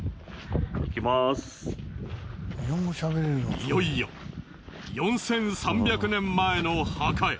いよいよ４３００年前の墓へ。